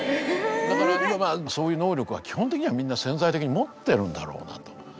だからまあそういう能力は基本的にはみんな潜在的に持ってるんだろうなと。